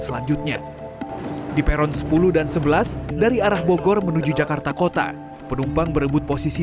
selanjutnya di peron sepuluh dan sebelas dari arah bogor menuju jakarta kota penumpang berebut posisi